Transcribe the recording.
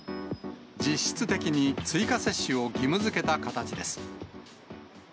実質的に追加接種を義務づけた形です。